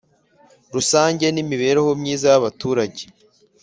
Rusange n Imibereho Myiza y Abaturage